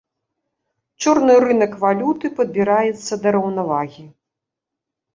Чорны рынак валюты падбіраецца да раўнавагі.